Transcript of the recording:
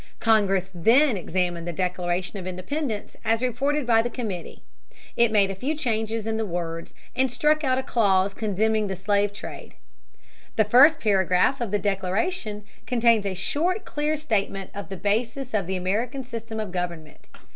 Congress then examined the Declaration of Independence as reported by the committee. It made a few changes in the words and struck out a clause condemning the slave trade. The first paragraph of the Declaration contains a short, clear statement of the basis of the American system of government.